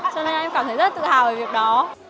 cho nên em cảm thấy rất tự hào về việc đó